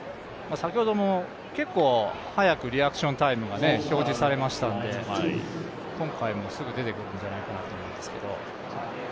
先ほども結構早くリアクションタイムが表示されましたんで、今回もすぐ出てくるんじゃないかと思いますけれども。